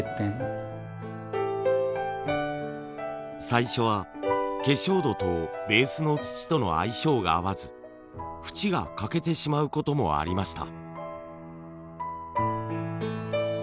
最初は化粧土とベースの土との相性が合わず縁が欠けてしまうこともありました。